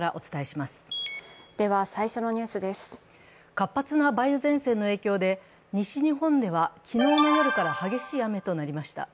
活発な梅雨前線の影響で西日本では、昨日の夜から激しい雨となりました。